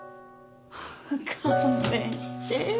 勘弁してよ。